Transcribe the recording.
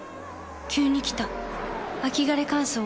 急に来た秋枯れ乾燥。